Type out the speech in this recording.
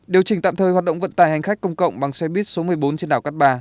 điều chỉnh tạm thời hoạt động vận tài hành khách công cộng bằng xe buýt số một mươi bốn trên đảo cát bà